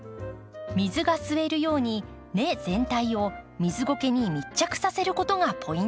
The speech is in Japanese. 水が吸えるように根全体を水ごけに密着させることがポイント。